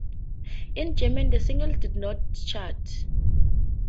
In Germany, the single did not chart.